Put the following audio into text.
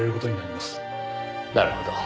なるほど。